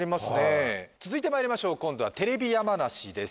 はい続いてまいりましょう今度はテレビ山梨です